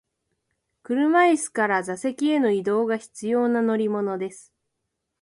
車椅子から座席への移動が必要な乗り物です。